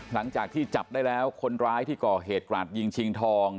หลังจากที่จับได้แล้วคนร้ายที่ก่อเหตุกราดยิงชิงทอง